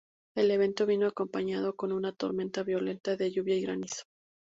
El evento vino acompañado con una tormenta violenta de lluvia y granizo.